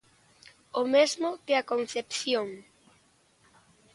O mesmo que a Concepción.